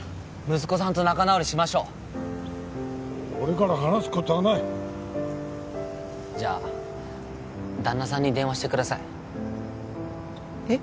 息子さんと仲直りしましょう俺から話すことはないじゃあ旦那さんに電話してくださいえっ？